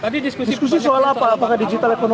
diskusi soal apa apakah digital ekonomi